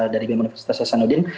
dari bim universitas hasanuddin